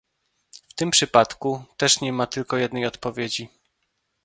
W tym przypadku też nie ma tylko jednej odpowiedzi